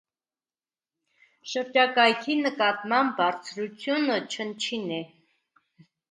Շրջակայքի նկատմամբ բարձրությունը չնչին է։